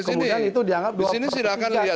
kemudian itu jangan buat percaya